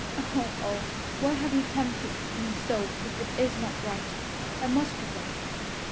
Oh, oh! Why have you tempted me so if it is not right? I must do right.